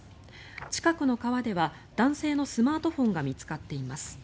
近くの川では男性のスマートフォンが見つかっています。